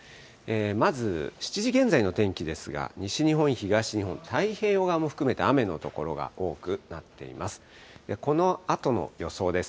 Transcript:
まず７時現在の天気ですが、西日本、東日本、太平洋側も含めて雨の所が多くなっています。